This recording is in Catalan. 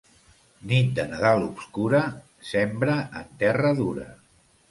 Nit de Nadal obscura, sembra en terra dura.